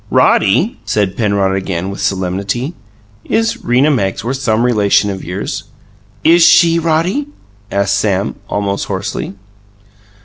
"Roddy," said Penrod again, with solemnity, "is Rena Magsworth some relation of yours?" "IS she, Roddy?" asked Sam, almost hoarsely.